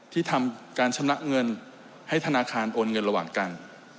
ที่ทำการชำระเงินให้ธนาคารโอนเงินระหว่างกัน